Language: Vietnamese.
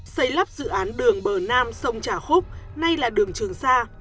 xây lắp dự án đường bờ nam sông trà khúc nay là đường trường sa